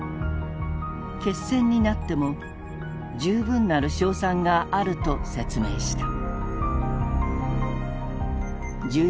決戦になっても「充分なる勝算」があると説明した。